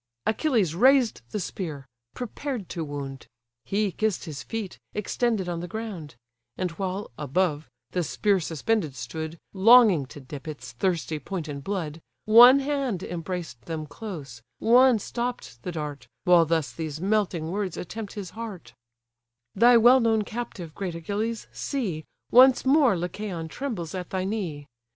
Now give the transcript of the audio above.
Achilles raised the spear, prepared to wound; He kiss'd his feet, extended on the ground: And while, above, the spear suspended stood, Longing to dip its thirsty point in blood, One hand embraced them close, one stopp'd the dart, While thus these melting words attempt his heart: "Thy well known captive, great Achilles! see, Once more Lycaon trembles at thy knee.